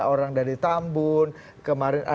orang dari tambun kemarin